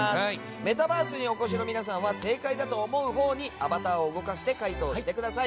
メタバースにお越しの皆さんは正解だと思うほうにアバターを動かして回答してください。